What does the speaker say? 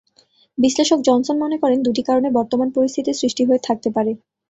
বিশ্লেষক জনসন মনে করেন, দুটি কারণে বর্তমান পরিস্থিতির সৃষ্টি হয়ে থাকতে পারে।